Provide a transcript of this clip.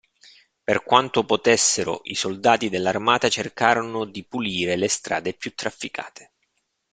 Per quanto potessero, i soldati dell'armata cercarono di pulire le strade più trafficate.